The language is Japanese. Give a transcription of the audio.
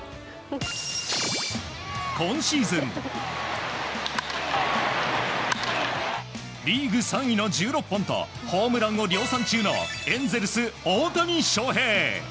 今シーズンリーグ３位の１６本とホームランを量産中のエンゼルス、大谷翔平。